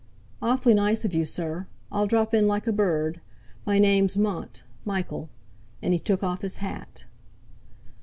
"Awfully nice of you, sir. I'll drop in like a bird. My name's Mont Michael." And he took off his hat.